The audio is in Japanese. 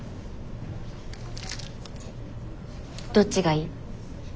どっちがいい？